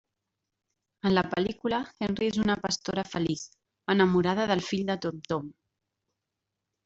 En la pel·lícula Henry és una pastora feliç, enamorada del fill de Tom-Tom.